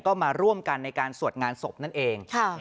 ก็มาร่วมกันในการสวดงานศพนั่นเอง